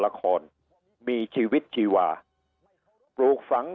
กว้างให้สุดที่เธอเรียบของ